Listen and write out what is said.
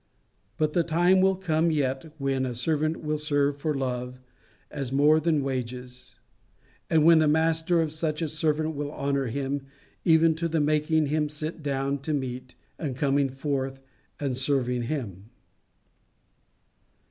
But the time will yet come when a servant will serve for love as more than wages; and when the master of such a servant will honour him even to the making him sit down to meat, and coming forth and serving him.